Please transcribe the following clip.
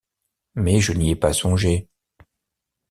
Mais je n’y ai pas songé.